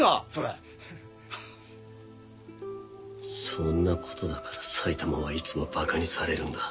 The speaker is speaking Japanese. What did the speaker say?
そんなことだから埼玉はいつもバカにされるんだ。